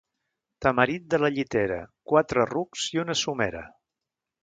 Tamarit de la Llitera, quatre rucs i una somera.